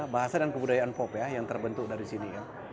bahasa dan kebudayaan pop ya yang terbentuk dari sini